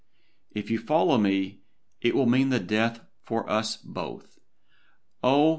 If you follow me, it will mean death for us both. Oh!